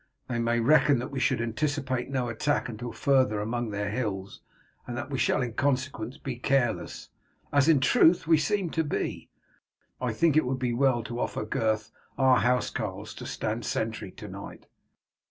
They may reckon that we should anticipate no attack until farther among their hills, and that we shall in consequence be careless, as in truth we seem to be. I think it would be well to offer Gurth our housecarls to stand sentry to night."